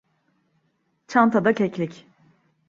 Çantada keklik.